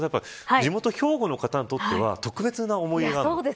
地元兵庫の方にとっては特別な思い入れがある。